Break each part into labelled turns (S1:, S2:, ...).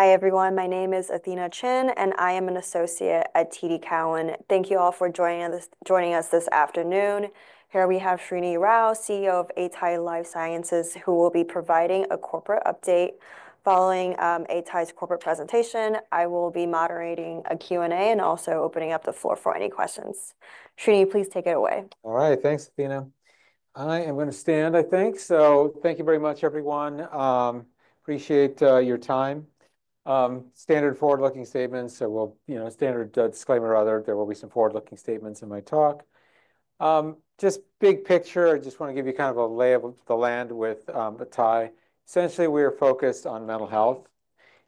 S1: Hi everyone, my name is Athena Chin, and I am an associate at TD Cowen. Thank you all for joining us this afternoon. Here we have Srini Rao, CEO of Atai Life Sciences, who will be providing a corporate update following Atai's corporate presentation. I will be moderating a Q&A and also opening up the floor for any questions. Srini, please take it away.
S2: All right, thanks, Athena. I am going to stand, I think. Thank you very much, everyone. Appreciate your time. Standard forward-looking statements, so we'll, you know, standard disclaimer rather, there will be some forward-looking statements in my talk. Just big picture, I just want to give you kind of a lay of the land with Atai. Essentially, we are focused on mental health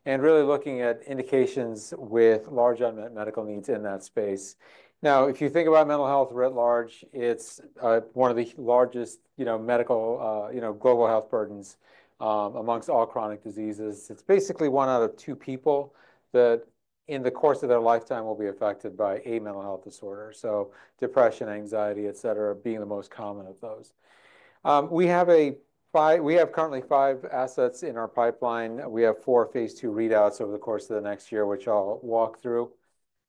S2: and really looking at indications with large unmet medical needs in that space. Now, if you think about mental health writ large, it's one of the largest, you know, medical, you know, global health burdens amongst all chronic diseases. It's basically one out of two people that in the course of their lifetime will be affected by a mental health disorder. Depression, anxiety, et cetera, being the most common of those. We have currently five assets in our pipeline. We have four phase II readouts over the course of the next year, which I'll walk through.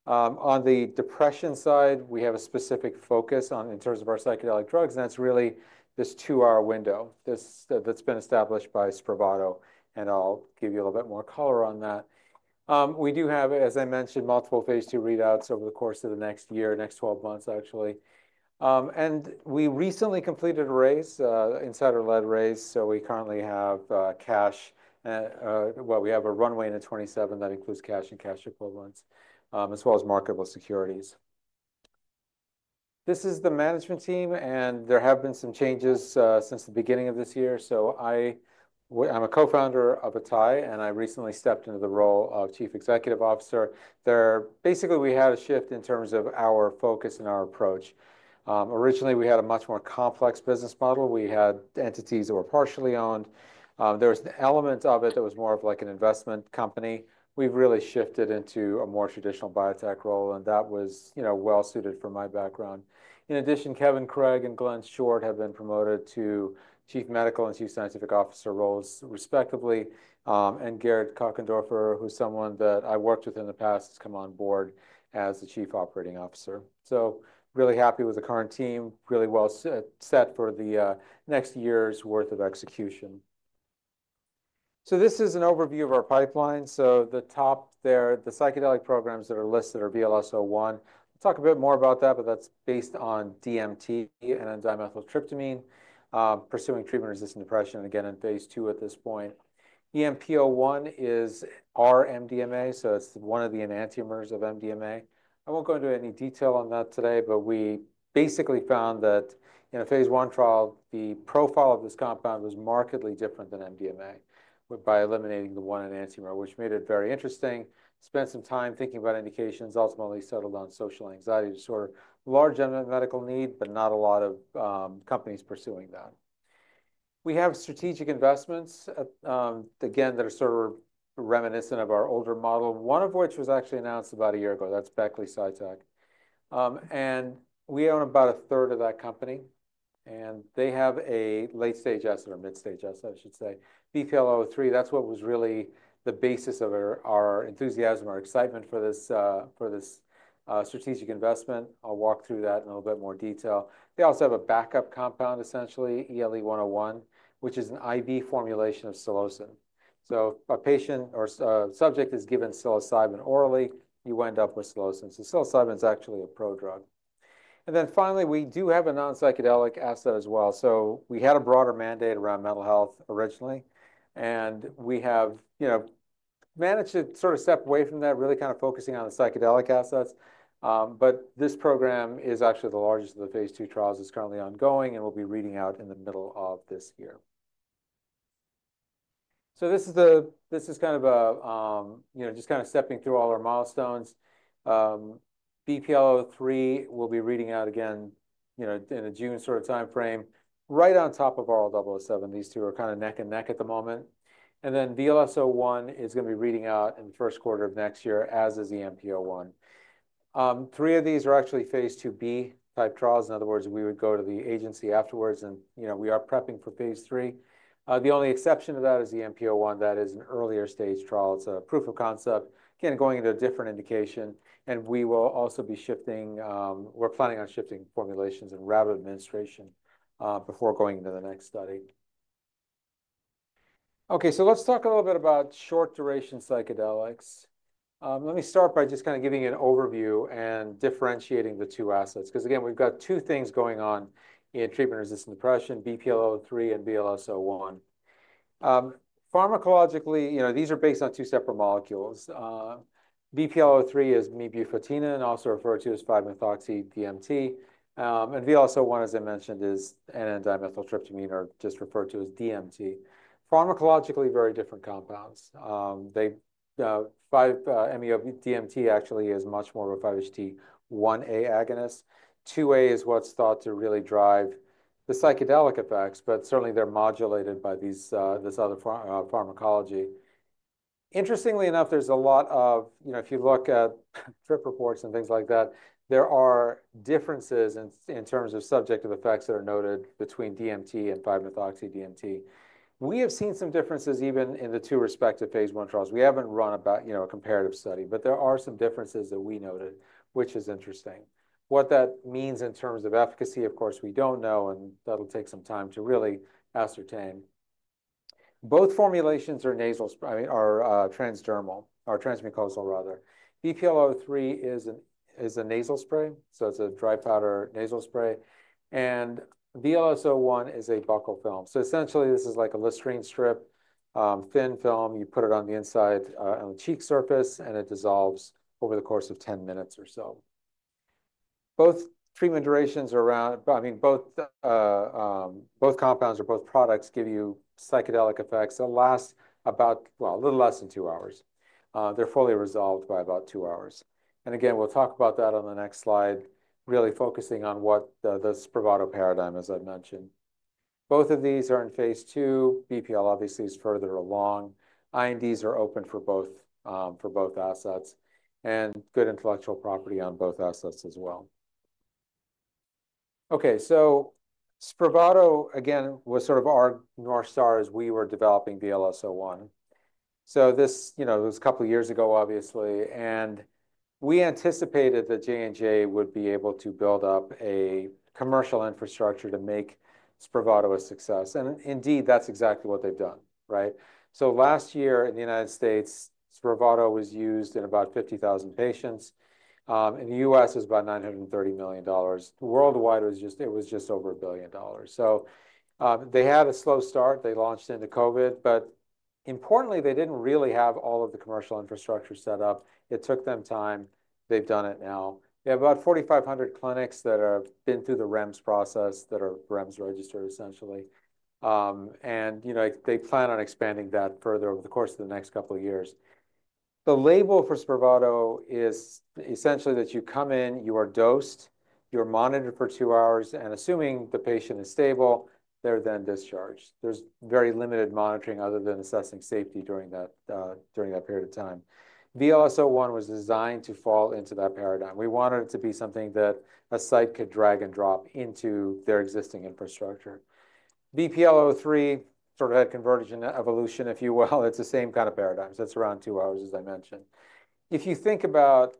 S2: On the depression side, we have a specific focus on, in terms of our psychedelic drugs, and that's really this two-hour window that's been established by Spravato. I'll give you a little bit more color on that. We do have, as I mentioned, multiple phase II readouts over the course of the next year, next 12 months, actually. We recently completed a raise, insider-led raise. We currently have cash, we have a runway in 2027 that includes cash and cash equivalents, as well as marketable securities. This is the management team, and there have been some changes since the beginning of this year. I'm a co-founder of Atai, and I recently stepped into the role of Chief Executive Officer. There are basically, we had a shift in terms of our focus and our approach. Originally, we had a much more complex business model. We had entities that were partially owned. There was an element of it that was more of like an investment company. We've really shifted into a more traditional biotech role, and that was, you know, well suited for my background. In addition, Kevin Craig and Glenn Short have been promoted to Chief Medical and Chief Scientific Officer roles, respectively. Gerd Kochendoerfer, who's someone that I worked with in the past, has come on board as the Chief Operating Officer. Really happy with the current team, really well set for the next year's worth of execution. This is an overview of our pipeline. The top there, the psychedelic programs that are listed are VLS-01. I'll talk a bit more about that, but that's based on DMT and an enzyme methyltryptamine, pursuing treatment-resistant depression, again, in phase II at this point. EMP-01 is our MDMA, so it's one of the enantiomers of MDMA. I won't go into any detail on that today, but we basically found that in a phase I trial, the profile of this compound was markedly different than MDMA, by eliminating the one enantiomer, which made it very interesting. Spent some time thinking about indications, ultimately settled on social anxiety disorder, large unmet medical need, but not a lot of companies pursuing that. We have strategic investments, again, that are sort of reminiscent of our older model, one of which was actually announced about a year ago. That's Beckley Psytech. And we own about a third of that company. And they have a late-stage asset or mid-stage asset, I should say, BPL-003. That's what was really the basis of our enthusiasm, our excitement for this strategic investment. I'll walk through that in a little bit more detail. They also have a backup compound, essentially, ELE-101, which is an IV formulation of psilocin. If a patient or subject is given psilocybin orally, you end up with psilocin. Psilocybin is actually a pro drug. Finally, we do have a non-psychedelic asset as well. We had a broader mandate around mental health originally, and we have, you know, managed to sort of step away from that, really kind of focusing on the psychedelic assets. This program is actually the largest of the phase II trials that's currently ongoing and will be reading out in the middle of this year. This is kind of a, you know, just kind of stepping through all our milestones. BPL-003 will be reading out again, you know, in a June sort of timeframe, right on top of RL-007. These two are kind of neck and neck at the moment. VLS-01 is going to be reading out in the first quarter of next year, as is EMP-01. Three of these are actually phase II-B type trials. In other words, we would go to the agency afterwards and, you know, we are prepping for phase III. The only exception to that is EMP-01. That is an earlier stage trial. It's a proof of concept, again, going into a different indication. We will also be shifting, we're planning on shifting formulations and route of administration before going into the next study. Okay, let's talk a little bit about short-duration psychedelics. Let me start by just kind of giving you an overview and differentiating the two assets. Because again, we've got two things going on in treatment-resistant depression, BPL-003 and VLS-01. Pharmacologically, you know, these are based on two separate molecules. BPL-003 is mebufotenin, also referred to as 5-MeO-DMT. And VLS-01, as I mentioned, is N,N-dimethyltryptamine, or just referred to as DMT. Pharmacologically, very different compounds. They, 5-MeO-DMT actually is much more of a 5-HT1A agonist. 2A is what's thought to really drive the psychedelic effects, but certainly they're modulated by this other pharmacology. Interestingly enough, there's a lot of, you know, if you look at trip reports and things like that, there are differences in terms of subjective effects that are noted between DMT and 5-MeO-DMT. We have seen some differences even in the two respective phase I trials. We haven't run about, you know, a comparative study, but there are some differences that we noted, which is interesting. What that means in terms of efficacy, of course, we don't know, and that'll take some time to really ascertain. Both formulations are nasal, I mean, are transdermal, or transmucosal rather. BPL-003 is a nasal spray, so it's a dry powder nasal spray. And VLS-01 is a buccal film. Essentially, this is like a Listerine strip, thin film. You put it on the inside on the cheek surface, and it dissolves over the course of 10 minutes or so. Both treatment durations are around, I mean, both compounds or both products give you psychedelic effects that last about, well, a little less than two hours. They're fully resolved by about two hours. Again, we'll talk about that on the next slide, really focusing on what the Spravato paradigm, as I've mentioned. Both of these are in phase II. BPL obviously is further along. INDs are open for both assets and good intellectual property on both assets as well. Okay, Spravato, again, was sort of our North Star as we were developing VLS-01. This, you know, it was a couple of years ago, obviously. We anticipated that J&J would be able to build up a commercial infrastructure to make Spravato a success. Indeed, that's exactly what they've done, right? Last year in the United States, Spravato was used in about 50,000 patients. In the U.S., it was about $930 million. Worldwide, it was just over $1 billion. They had a slow start. They launched into COVID, but importantly, they didn't really have all of the commercial infrastructure set up. It took them time. They've done it now. They have about 4,500 clinics that have been through the REMS process that are REMS registered, essentially. You know, they plan on expanding that further over the course of the next couple of years. The label for Spravato is essentially that you come in, you are dosed, you're monitored for two hours, and assuming the patient is stable, they're then discharged. There's very limited monitoring other than assessing safety during that period of time. VLS-01 was designed to fall into that paradigm. We wanted it to be something that a site could drag and drop into their existing infrastructure. BPL-003 sort of had convergence and evolution, if you will. It's the same kind of paradigm. It's around two hours, as I mentioned. If you think about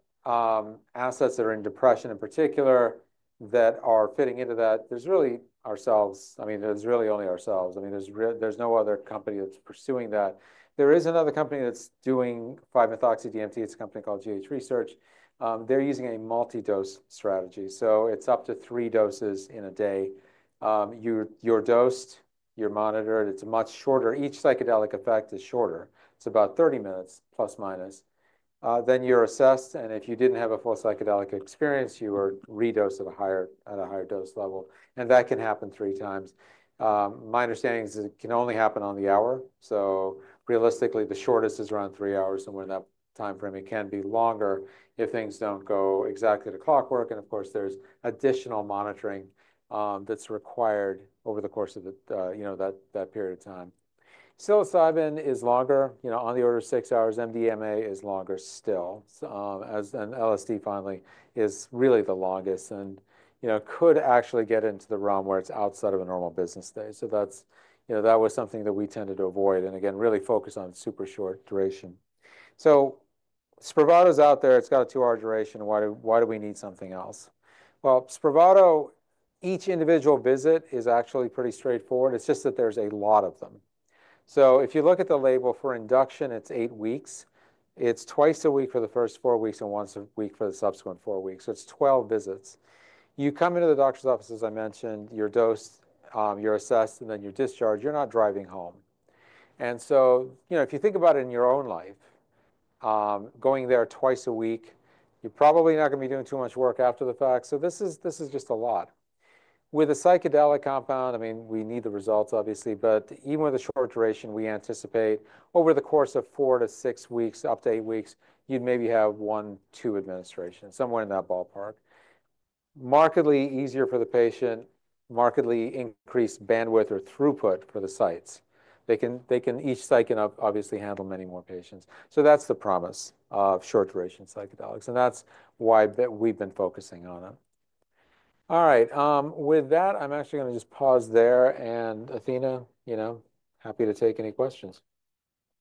S2: assets that are in depression in particular that are fitting into that, there's really ourselves. I mean, there's really only ourselves. I mean, there's no other company that's pursuing that. There is another company that's doing 5-MeO-DMT. It's a company called GH Research. They're using a multi-dose strategy. It's up to three doses in a day. You're dosed, you're monitored. It's much shorter. Each psychedelic effect is shorter. It's about 30 minutes, plus minus. You're assessed. If you didn't have a full psychedelic experience, you were redosed at a higher dose level. That can happen three times. My understanding is it can only happen on the hour. Realistically, the shortest is around three hours somewhere in that timeframe. It can be longer if things don't go exactly to clockwork. Of course, there's additional monitoring that's required over the course of, you know, that period of time. Psilocybin is longer, you know, on the order of six hours. MDMA is longer still, as an LSD finally is really the longest and, you know, could actually get into the realm where it's outside of a normal business day. That's, you know, that was something that we tended to avoid and again, really focus on super short duration. Spravato's out there. It's got a two-hour duration. Why do we need something else? Spravato, each individual visit is actually pretty straightforward. It's just that there's a lot of them. If you look at the label for induction, it's eight weeks. It's twice a week for the first four weeks and once a week for the subsequent four weeks. It's 12 visits. You come into the doctor's office, as I mentioned, you're dosed, you're assessed, and then you're discharged. You're not driving home. If you think about it in your own life, going there twice a week, you're probably not going to be doing too much work after the fact. This is just a lot. With a psychedelic compound, I mean, we need the results, obviously, but even with a short duration, we anticipate over the course of four to six weeks, up to eight weeks, you'd maybe have one, two administrations, somewhere in that ballpark. Markedly easier for the patient, markedly increased bandwidth or throughput for the sites. Each site can obviously handle many more patients. That is the promise of short-duration psychedelics. That is why we've been focusing on it. All right. With that, I'm actually going to just pause there. Athena, you know, happy to take any questions.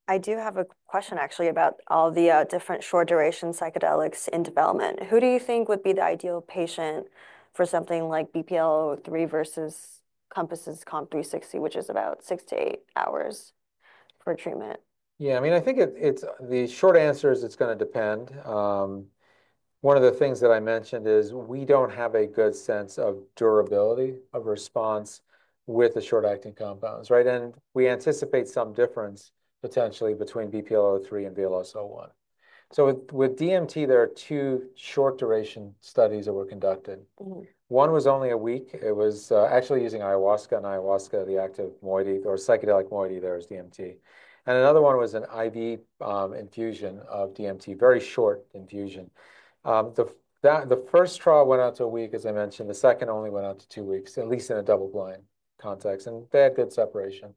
S1: I do have a question actually about all the different short-duration psychedelics in development. Who do you think would be the ideal patient for something like BPL-003 versus Compass's COMP360, which is about six to eight hours for treatment?
S2: Yeah, I mean, I think the short answer is it's going to depend. One of the things that I mentioned is we don't have a good sense of durability of response with the short-acting compounds, right? I mean, we anticipate some difference potentially between BPL-003 and VLS-01. With DMT, there are two short duration studies that were conducted. One was only a week. It was actually using ayahuasca, and ayahuasca, the active moiety, or psychedelic moiety there is DMT. Another one was an IV infusion of DMT, very short infusion. The first trial went out to a week, as I mentioned. The second only went out to two weeks, at least in a double-blind context. They had good separation.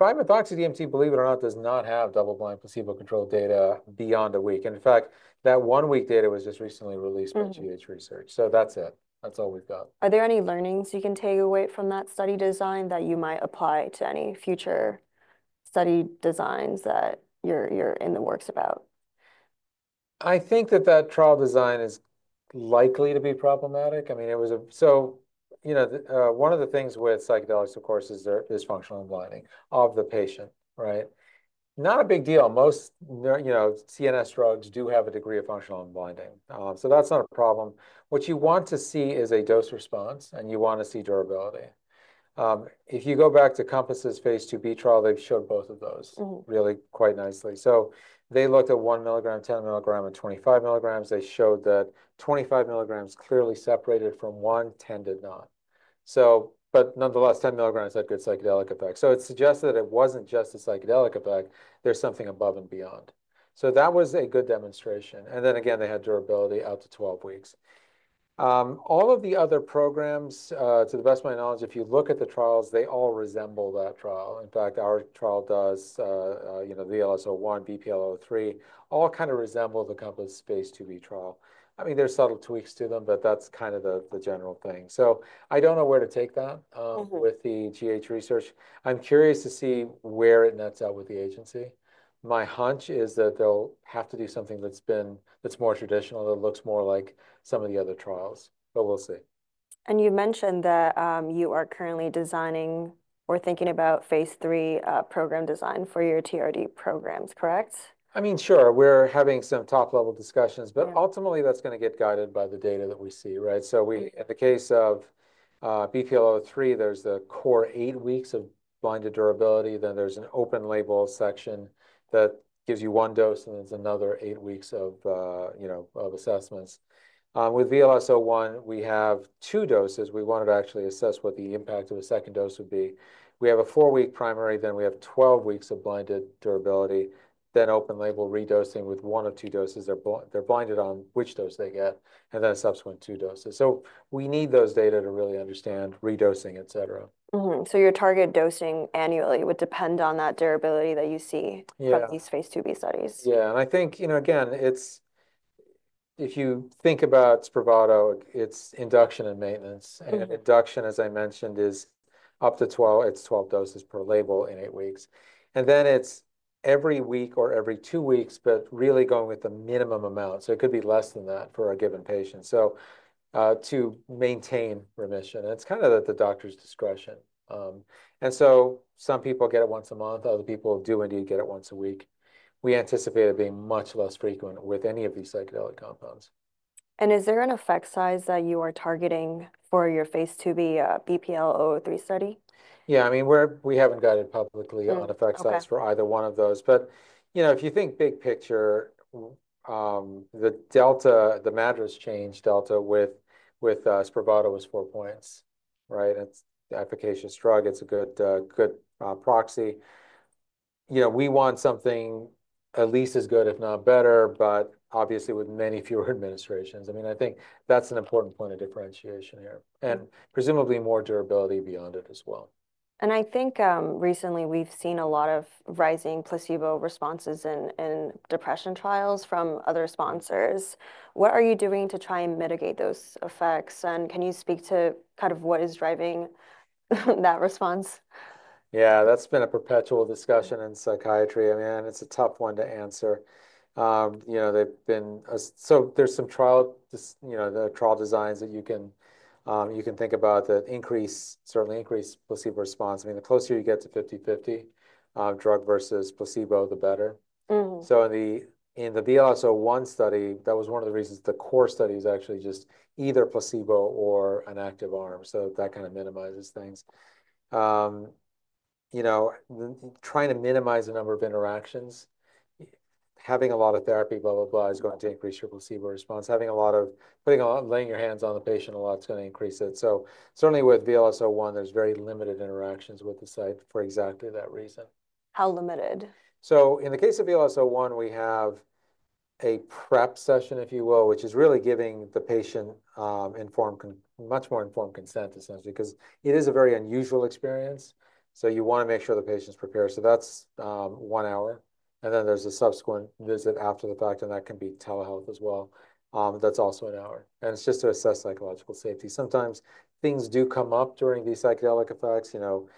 S2: 5-MeO-DMT, believe it or not, does not have double-blind placebo-controlled data beyond a week. In fact, that one-week data was just recently released by GH Research. That is it. That is all we have got.
S1: Are there any learnings you can take away from that study design that you might apply to any future study designs that you are in the works about?
S2: I think that that trial design is likely to be problematic. I mean, it was a, you know, one of the things with psychedelics, of course, is their dysfunctional blinding of the patient, right? Not a big deal. Most, you know, CNS drugs do have a degree of functional blinding. That is not a problem. What you want to see is a dose response, and you want to see durability. If you go back to Compass's phase II-B trial, they showed both of those really quite nicely. They looked at one milligram, 10 milligram, and 25 milligrams. They showed that 25 milligrams clearly separated from one, 10 did not. Nonetheless, 10 milligrams had good psychedelic effects. It suggested that it was not just a psychedelic effect. There is something above and beyond. That was a good demonstration. They had durability out to 12 weeks. All of the other programs, to the best of my knowledge, if you look at the trials, they all resemble that trial. In fact, our trial does, you know, VLS-01, BPL-003, all kind of resemble the Compass phase II-B trial. I mean, there's subtle tweaks to them, but that's kind of the general thing. I don't know where to take that with the GH Research. I'm curious to see where it nets out with the agency. My hunch is that they'll have to do something that's more traditional that looks more like some of the other trials. We'll see.
S1: You mentioned that you are currently designing or thinking about phase III program design for your TRD programs, correct?
S2: I mean, sure. We're having some top-level discussions, but ultimately that's going to get guided by the data that we see, right? In the case of BPL-003, there's the core eight weeks of blinded durability. Then there's an open label section that gives you one dose, and then there's another eight weeks of assessments. With VLS-01, we have two doses. We wanted to actually assess what the impact of a second dose would be. We have a four-week primary, then we have 12 weeks of blinded durability, then open label redosing with one or two doses. They're blinded on which dose they get, and then a subsequent two doses. We need those data to really understand redosing, et cetera.
S1: Your target dosing annually would depend on that durability that you see from these phase II-B studies.
S2: Yeah. I think, you know, again, it's if you think about Spravato, it's induction and maintenance. Induction, as I mentioned, is up to 12, it's 12 doses per label in eight weeks. Then it's every week or every two weeks, but really going with the minimum amount. It could be less than that for a given patient. To maintain remission, it's kind of at the doctor's discretion. Some people get it once a month. Other people do indeed get it once a week. We anticipate it being much less frequent with any of these psychedelic compounds.
S1: Is there an effect size that you are targeting for your phase II-B, BPL-003 study?
S2: Yeah, I mean, we haven't got it publicly on effect size for either one of those. But, you know, if you think big picture, the delta, the MADRS change delta with Spravato was four points, right? It's an efficacious drug. It's a good proxy. You know, we want something at least as good, if not better, but obviously with many fewer administrations. I mean, I think that's an important point of differentiation here and presumably more durability beyond it as well.
S1: I think recently we've seen a lot of rising placebo responses in depression trials from other sponsors. What are you doing to try and mitigate those effects? Can you speak to kind of what is driving that response?
S2: Yeah, that's been a perpetual discussion in psychiatry. I mean, it's a tough one to answer. You know, there's some trial, you know, the trial designs that you can think about that certainly increase placebo response. I mean, the closer you get to 50-50 drug versus placebo, the better. In the VLS-01 study, that was one of the reasons the core study is actually just either placebo or an active arm. That kind of minimizes things. You know, trying to minimize the number of interactions, having a lot of therapy, blah, blah, blah, is going to increase your placebo response. Having a lot of putting on laying your hands on the patient a lot is going to increase it. Certainly with VLS-01, there's very limited interactions with the site for exactly that reason.
S1: How limited?
S2: In the case of VLS-01, we have a prep session, if you will, which is really giving the patient informed, much more informed consent, essentially, because it is a very unusual experience. You want to make sure the patient's prepared. That's one hour. Then there's a subsequent visit after the fact, and that can be telehealth as well. That's also an hour. It's just to assess psychological safety. Sometimes things do come up during these psychedelic effects, you know,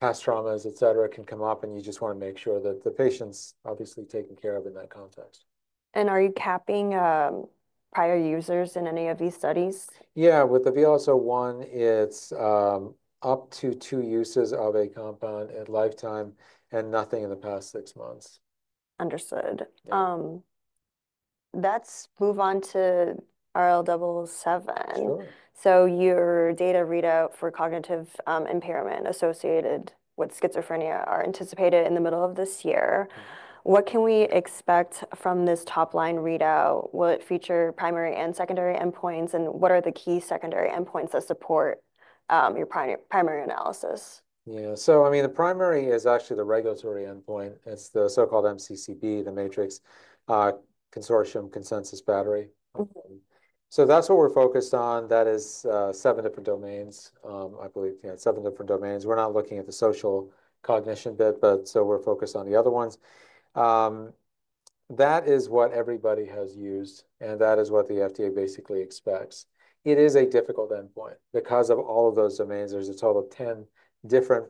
S2: past traumas, et cetera, can come up, and you just want to make sure that the patient's obviously taken care of in that context.
S1: Are you capping prior users in any of these studies?
S2: Yeah, with the VLS-01, it's up to two uses of a compound in lifetime and nothing in the past six months.
S1: Understood. Let's move on to RL-007. Your data readout for cognitive impairment associated with schizophrenia are anticipated in the middle of this year. What can we expect from this top-line readout? Will it feature primary and secondary endpoints? What are the key secondary endpoints that support your primary analysis?
S2: Yeah, I mean, the primary is actually the regulatory endpoint. It's the so-called MCCB, the MATRICS Consensus Cognitive Battery. That's what we're focused on. That is seven different domains, I believe. Yeah, seven different domains. We're not looking at the social cognition bit, but we're focused on the other ones. That is what everybody has used, and that is what the FDA basically expects. It is a difficult endpoint because of all of those domains. There's a total of 10 different,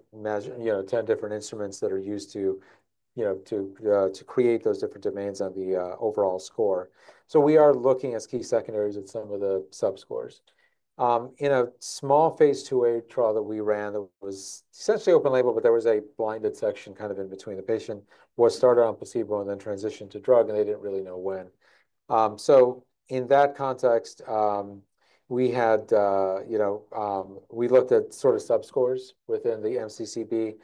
S2: you know, 10 different instruments that are used to, you know, to create those different domains on the overall score. We are looking as key secondaries at some of the subscores. In a small phase II-A trial that we ran that was essentially open label, but there was a blinded section kind of in between, the patient was started on placebo and then transitioned to drug, and they didn't really know when. In that context, we had, you know, we looked at sort of subscores within the MCCB.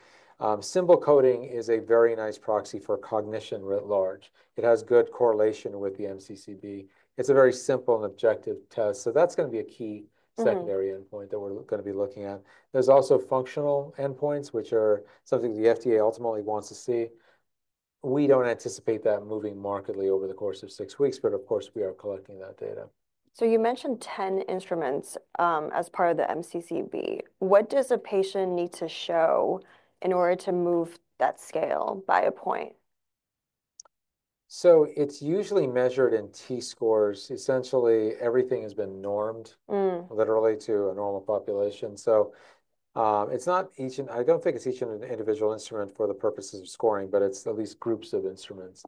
S2: Symbol coding is a very nice proxy for cognition writ large. It has good correlation with the MCCB. It's a very simple and objective test. That's going to be a key secondary endpoint that we're going to be looking at. There's also functional endpoints, which are something the FDA ultimately wants to see. We don't anticipate that moving markedly over the course of six weeks, but of course, we are collecting that data.
S1: You mentioned 10 instruments as part of the MCCB. What does a patient need to show in order to move that scale by a point?
S2: It's usually measured in T scores. Essentially, everything has been normed literally to a normal population. It's not each, and I don't think it's each individual instrument for the purposes of scoring, but it's at least groups of instruments.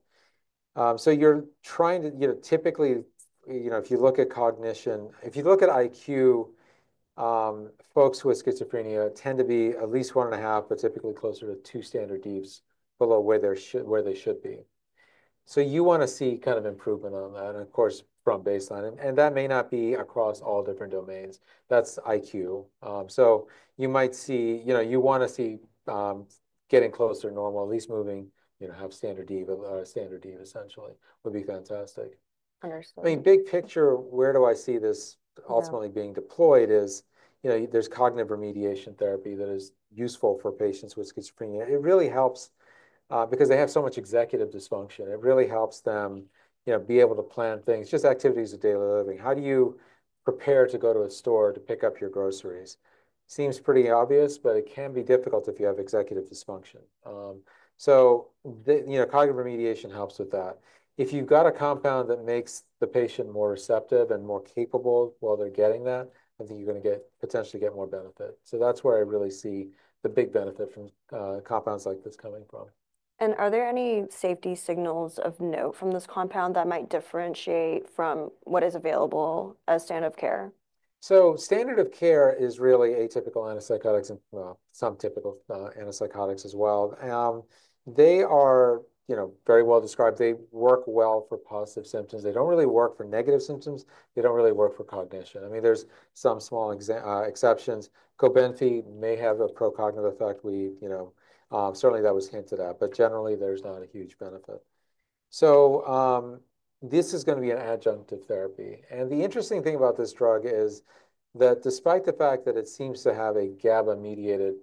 S2: You're trying to, you know, typically, you know, if you look at cognition, if you look at IQ, folks with schizophrenia tend to be at least one and a half, but typically closer to two standard deviations below where they should be. You want to see kind of improvement on that, of course, from baseline. That may not be across all different domains. That is IQ. You might see, you know, you want to see getting closer to normal, at least moving, you know, half standard deviation, but standard deviation essentially would be fantastic.
S1: Understood.
S2: I mean, big picture, where do I see this ultimately being deployed is, you know, there is cognitive remediation therapy that is useful for patients with schizophrenia. It really helps because they have so much executive dysfunction. It really helps them, you know, be able to plan things, just activities of daily living. How do you prepare to go to a store to pick up your groceries? Seems pretty obvious, but it can be difficult if you have executive dysfunction. You know, cognitive remediation helps with that. If you've got a compound that makes the patient more receptive and more capable while they're getting that, I think you're going to potentially get more benefit. That is where I really see the big benefit from compounds like this coming from.
S1: Are there any safety signals of note from this compound that might differentiate from what is available as standard of care?
S2: Standard of care is really atypical antipsychotics and, you know, some typical antipsychotics as well. They are, you know, very well described. They work well for positive symptoms. They don't really work for negative symptoms. They don't really work for cognition. I mean, there's some small exceptions. Clozapine may have a pro-cognitive effect. We, you know, certainly that was hinted at, but generally there's not a huge benefit. This is going to be an adjunct of therapy. The interesting thing about this drug is that despite the fact that it seems to have a GABA-mediated,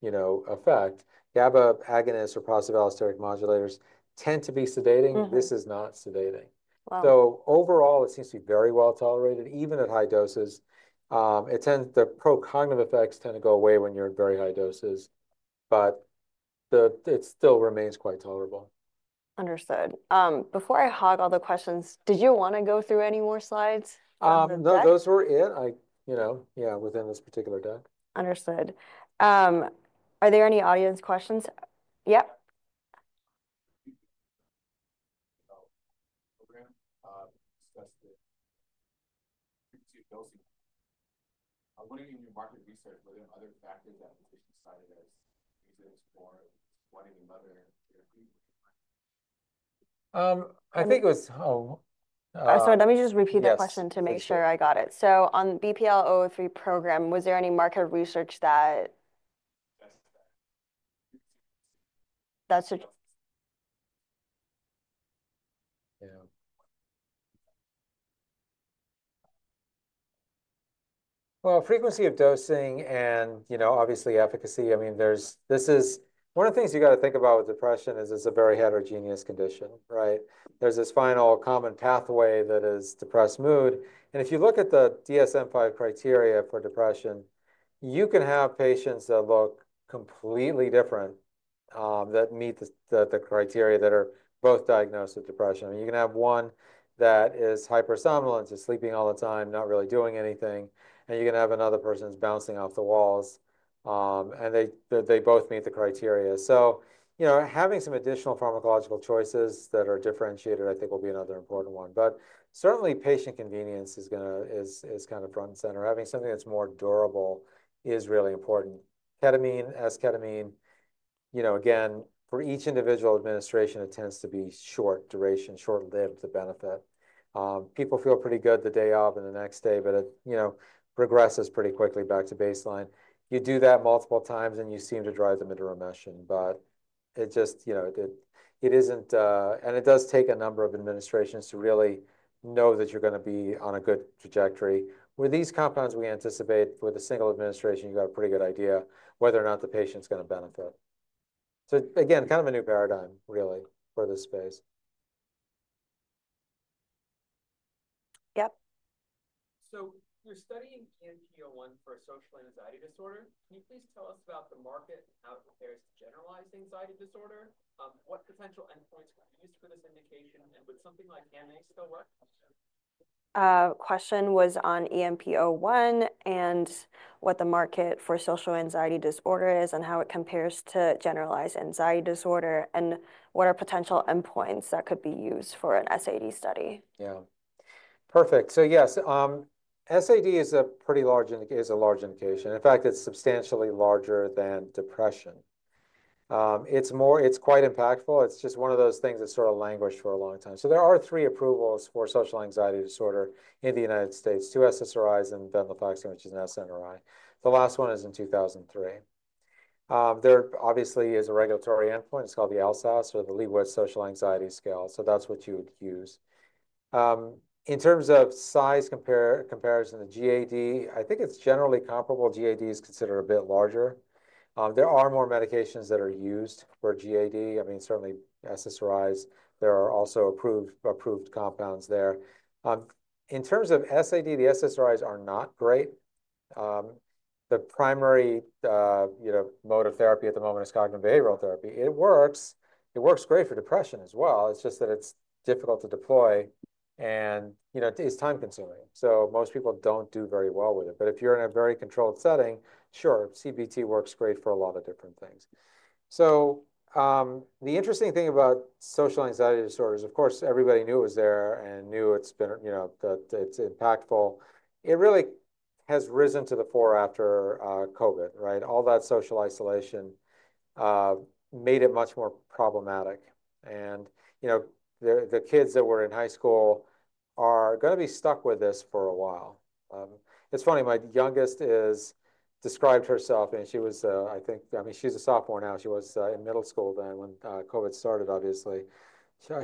S2: you know, effect, GABA agonists or positive allosteric modulators tend to be sedating. This is not sedating. Overall, it seems to be very well tolerated, even at high doses. The pro-cognitive effects tend to go away when you're at very high doses, but it still remains quite tolerable.
S1: Understood. Before I hog all the questions, did you want to go through any more slides?
S2: No, those were it. I, you know, yeah, within this particular deck.
S1: Understood. Are there any audience questions? Yep. What do you think new market research, were there other factors that patients cited as reasons for wanting another therapy?
S2: I think it was.
S1: Sorry, let me just repeat the question to make sure I got it. On the BPL-003 program, was there any market research that. That's it. Yeah.
S2: Frequency of dosing and, you know, obviously efficacy, I mean, this is one of the things you got to think about with depression is it's a very heterogeneous condition, right? There's this final common pathway that is depressed mood. And if you look at the DSM-5 criteria for depression, you can have patients that look completely different that meet the criteria that are both diagnosed with depression. I mean, you can have one that is hypersomnolent, is sleeping all the time, not really doing anything. And you can have another person's bouncing off the walls. And they both meet the criteria. You know, having some additional pharmacological choices that are differentiated, I think will be another important one. Certainly patient convenience is going to, is kind of front and center. Having something that's more durable is really important. Ketamine, esketamine, you know, again, for each individual administration, it tends to be short duration, short-lived to benefit. People feel pretty good the day of and the next day, but it, you know, progresses pretty quickly back to baseline. You do that multiple times and you seem to drive them into remission, but it just, you know, it isn't, and it does take a number of administrations to really know that you're going to be on a good trajectory. With these compounds, we anticipate with a single administration, you got a pretty good idea whether or not the patient's going to benefit. Kind of a new paradigm really for this space.
S1: Yep. You're studying EMP-01 for a social anxiety disorder. Can you please tell us about the market and how it compares to generalized anxiety disorder? What potential endpoints were used for this indication? Would something like AMA still work? Question was on EMP-01 and what the market for social anxiety disorder is and how it compares to generalized anxiety disorder and what are potential endpoints that could be used for an SAD study.
S2: Yeah. Perfect. Yes, SAD is a pretty large, is a large indication. In fact, it is substantially larger than depression. It is more, it is quite impactful. It is just one of those things that sort of languished for a long time. There are three approvals for social anxiety disorder in the United States: two SSRIs and venlafaxine, which is an SNRI. The last one is in 2003. There obviously is a regulatory endpoint. It is called the LSAS or the Liebowitz Social Anxiety Scale. That is what you would use. In terms of size comparison, the GAD, I think it is generally comparable. GAD is considered a bit larger. There are more medications that are used for GAD. I mean, certainly SSRIs, there are also approved compounds there. In terms of SAD, the SSRIs are not great. The primary, you know, mode of therapy at the moment is cognitive behavioral therapy. It works. It works great for depression as well. It's just that it's difficult to deploy and, you know, it's time-consuming. Most people don't do very well with it. If you're in a very controlled setting, sure, CBT works great for a lot of different things. The interesting thing about social anxiety disorder is, of course, everybody knew it was there and knew it's been, you know, that it's impactful. It really has risen to the fore after COVID, right? All that social isolation made it much more problematic. You know, the kids that were in high school are going to be stuck with this for a while. It's funny, my youngest described herself, and she was, I think, I mean, she's a sophomore now. She was in middle school then when COVID started, obviously.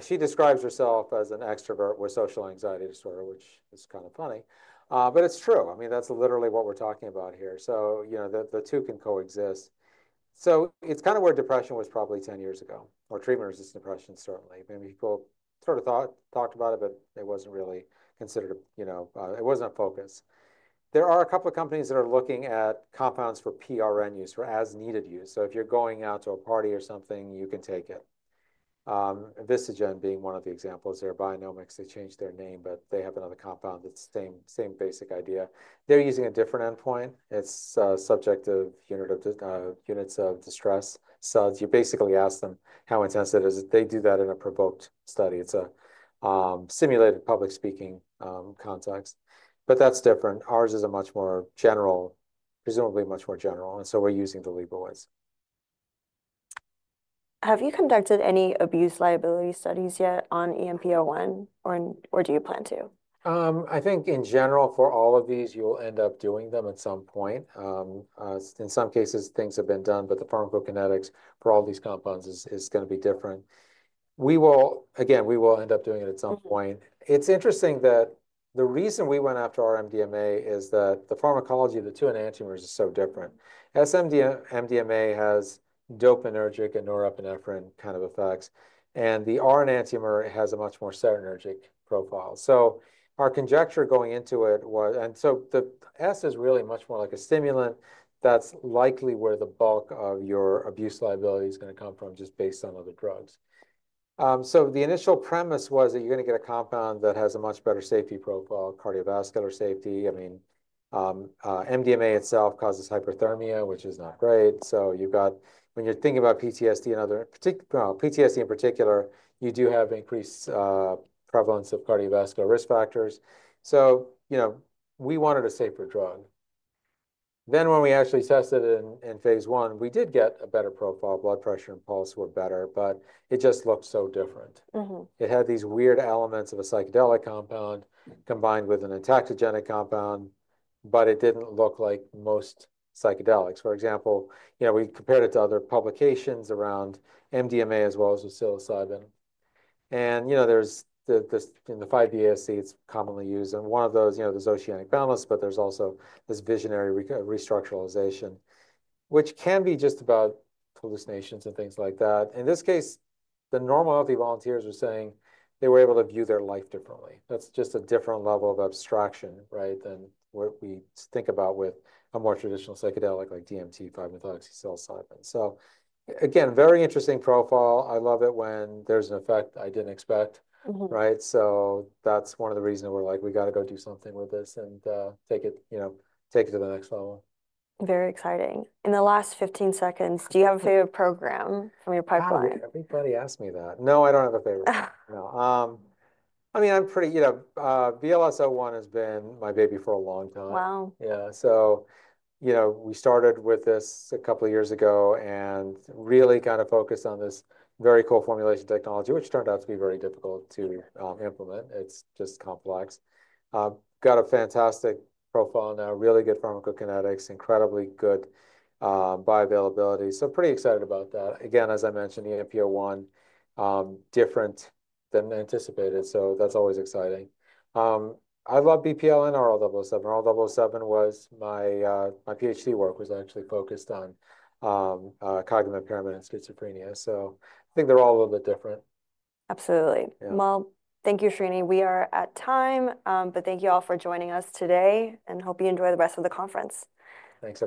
S2: She describes herself as an extrovert with social anxiety disorder, which is kind of funny. It is true. I mean, that's literally what we're talking about here. You know, the two can coexist. It is kind of where depression was probably 10 years ago or treatment-resistant depression, certainly. Maybe people sort of thought, talked about it, but it wasn't really considered, you know, it wasn't a focus. There are a couple of companies that are looking at compounds for PRN use, for as-needed use. If you're going out to a party or something, you can take it. Vistagen being one of the examples there, Bionomics, they changed their name, but they have another compound. It's the same basic idea. They're using a different endpoint. It's subject to units of distress. So you basically ask them how intense it is. They do that in a provoked study. It's a simulated public speaking context, but that's different. Ours is a much more general, presumably much more general. And so we're using the Liebowitz.
S1: Have you conducted any abuse liability studies yet on EMP-01, or do you plan to?
S2: I think in general for all of these, you'll end up doing them at some point. In some cases, things have been done, but the pharmacokinetics for all these compounds is going to be different. We will, again, we will end up doing it at some point. It's interesting that the reason we went after R-MDMA is that the pharmacology of the two enantiomers is so different. S-MDMA has dopaminergic, and norepinephrine kind of effects. And the R enantiomer has a much more serotonergic profile. So our conjecture going into it was, and so the S is really much more like a stimulant. That's likely where the bulk of your abuse liability is going to come from, just based on other drugs. The initial premise was that you're going to get a compound that has a much better safety profile, cardiovascular safety. I mean, MDMA itself causes hyperthermia, which is not great. You've got, when you're thinking about PTSD and in particular, you do have increased prevalence of cardiovascular risk factors. You know, we wanted a safer drug. When we actually tested it in phase I, we did get a better profile. Blood pressure and pulse were better, but it just looked so different. It had these weird elements of a psychedelic compound combined with an antagonistic compound, but it didn't look like most psychedelics. For example, you know, we compared it to other publications around MDMA as well as with psilocybin. You know, there's the, in the 5D-ASC, it's commonly used. One of those, you know, there's oceanic balance, but there's also this visionary restructuralization, which can be just about hallucinations and things like that. In this case, the normal healthy volunteers were saying they were able to view their life differently. That's just a different level of abstraction, right, than what we think about with a more traditional psychedelic like DMT, 5-MeO-DMT, psilocybin. Very interesting profile. I love it when there's an effect I didn't expect, right? That's one of the reasons we're like, we got to go do something with this and take it, you know, take it to the next level.
S1: Very exciting. In the last 15 seconds, do you have a favorite program from your pipeline?
S2: Everybody asked me that. No, I don't have a favorite. No. I mean, I'm pretty, you know, VLS-01 has been my baby for a long time. Wow. Yeah. You know, we started with this a couple of years ago and really kind of focused on this very cool formulation technology, which turned out to be very difficult to implement. It's just complex. Got a fantastic profile now, really good pharmacokinetics, incredibly good bioavailability. Pretty excited about that. Again, as I mentioned, EMP-01, different than anticipated. That's always exciting. I love BPL-003 and RL-007. RL-007 was my PhD work was actually focused on cognitive impairment and schizophrenia. I think they're all a little bit different.
S1: Absolutely. Thank you, Srini. We are at time, but thank you all for joining us today and hope you enjoy the rest of the conference.
S2: Thanks.